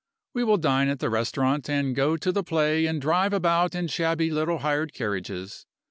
We will dine at the restaurant, and go to the play, and drive about in shabby little hired carriages.